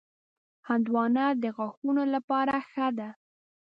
هندوانه د غاښونو لپاره ښه ده.